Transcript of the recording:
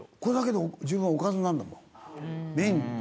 これだけで十分おかずになるんだもん。